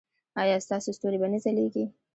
ایا ستاسو ستوري به نه ځلیږي؟